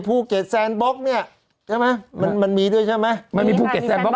ภูเก็ตแซนบล็อกเนี่ยใช่ไหมมันมันมีด้วยใช่ไหมมันมีภูเก็ตแซนบล็